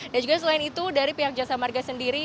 dan juga selain itu dari pihak jasa marga sendiri